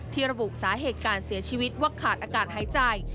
ระบุสาเหตุการเสียชีวิตว่าขาดอากาศหายใจ